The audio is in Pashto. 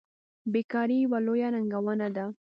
بیکاري یوه لویه ننګونه ده.